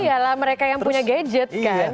iya lah mereka yang punya gadget kan